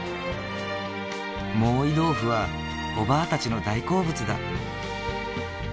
モーウィドーフはおばぁたちの大好物だ。